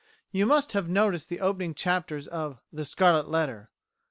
You must have noticed the opening chapters of "The Scarlet Letter."